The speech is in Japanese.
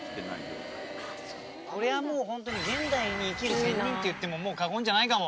これはもうほんとに現代に生きる仙人って言ってももう過言じゃないかも。